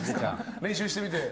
練習してみて。